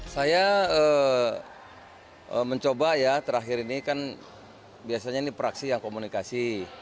saya mencoba ya terakhir ini kan biasanya ini praksi yang komunikasi